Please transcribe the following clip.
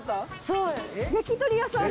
そう。